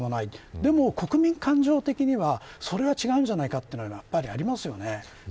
でも国民感情的にはそれは違うんじゃないかというのはやっぱりありますよね。